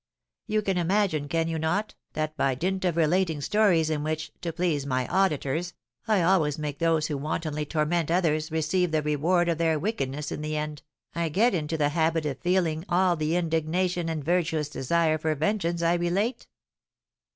You can imagine, can you not, that, by dint of relating stories in which, to please my auditors, I always make those who wantonly torment others receive the reward of their wickedness in the end, I get into the habit of feeling all the indignation and virtuous desire for vengeance I relate?"